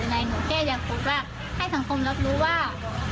ไหนหนูแค่อยากพูดว่าให้สังคมรับรู้ว่า